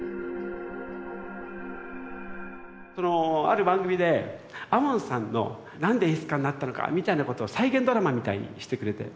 ある番組で亞門さんのなんで演出家になったのかみたいなことを再現ドラマみたいにしてくれて。